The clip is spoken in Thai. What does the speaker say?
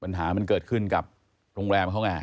วันหามันเกิดขึ้นกับโรงแรมเค้าเนี่ย